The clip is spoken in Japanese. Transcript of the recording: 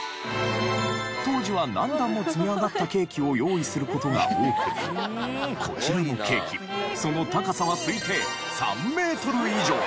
当時は何段も積み上がったケーキを用意する事が多くこちらのケーキその高さは推定３メートル以上。